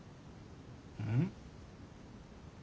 うん？